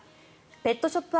ペットショップ